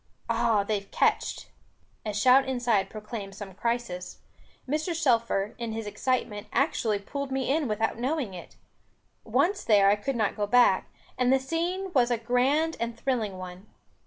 Ah they've catched." A shout inside proclaimed some crisis; Mr. Shelfer, in his excitement, actually pulled me in without knowing it. Once there, I could not go back; and the scene was a grand and thrilling one.